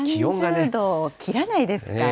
３０度切らないですか？